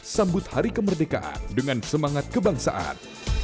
sambut hari kemerdekaan dengan semangat kebangsaan